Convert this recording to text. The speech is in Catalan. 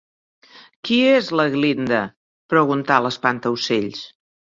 Qui és en/la Glinda? preguntar l'espantaocells.